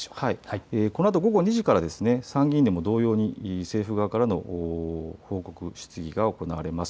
このあと午後２時から、参議院でも同様に、政府側からの報告、質疑が行われます。